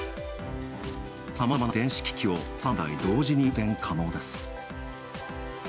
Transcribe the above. さまざまな電子機器を３台同時に充電可能です。